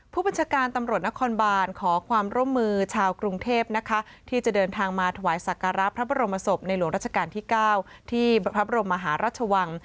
ผู้บัญชาการตำรวจนครบานขอความร่วมมือชาวกรุงเทพนะคะที่จะเดินทางมาถวายสักการะพระบรมศพในหลวงราชการที่๙ที่พระบรมมหาราชวัง